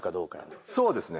そうですね。